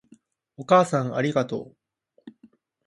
お母さんありがとう